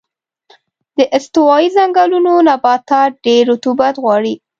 د استوایي ځنګلونو نباتات ډېر رطوبت غواړي.